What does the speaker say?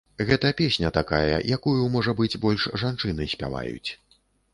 Гэта песня такая, якую, можа быць, больш жанчыны спяваюць.